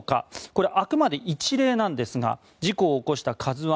これはあくまで一例なんですが事故を起こした「ＫＡＺＵ１」です。